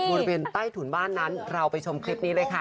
บริเวณใต้ถุนบ้านนั้นเราไปชมคลิปนี้เลยค่ะ